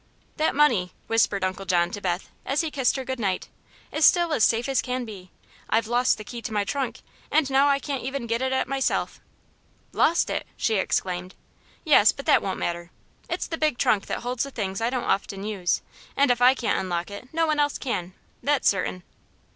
"That money," whispered Uncle John to Beth, as he kissed her good night, "is still as safe as can be. I've lost the key to my trunk, and now I can't even get at it myself." "Lost it!" she exclaimed. "Yes; but that won't matter. It's the big trunk that holds the things I don't often use, and if I can't unlock it no one else can, that's certain.